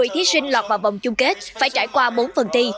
một mươi thí sinh lọt vào vòng chung kết phải trải qua bốn phần thi